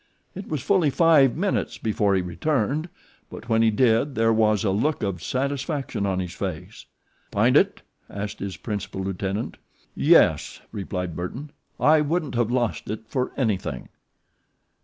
It was fully five minutes before he returned but when he did there was a look of satisfaction on his face. "Find it?" asked his principal lieutenant. "Yep," replied Burton. "I wouldn't have lost it for anything."